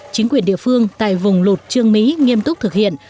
chính quyền địa phương tại vùng lụt trương mỹ nghiêm túc thực hiện